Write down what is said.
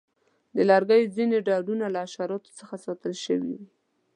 د لرګیو ځینې ډولونه له حشراتو څخه ساتل شوي وي.